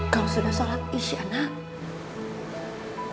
kau sudah sholat isya nak